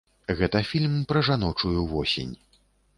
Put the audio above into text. Гэта фільм пра жаночую восень.